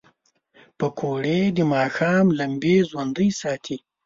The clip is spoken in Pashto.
پکورې د ماښام لمبې ژوندۍ ساتي